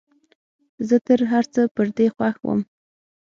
زه تر هرڅه پر دې خوښ وم.